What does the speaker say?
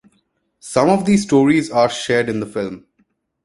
Some of these stories are shared in the film.